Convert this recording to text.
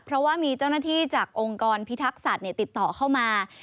เพราะว่ามีเจ้าหน้าที่จากองค์กรพิทักษัตริย์ติดต่อเข้ามา